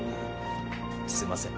すいません。